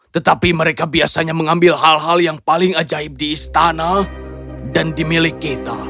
tetapi mereka biasanya mengambil hal hal yang paling ajaib di istana dan di milik kita